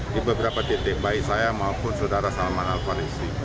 di beberapa titik baik saya maupun saudara salman al farizi